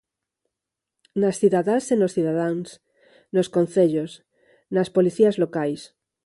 Nas cidadás e nos cidadáns, nos concellos, nas policías locais.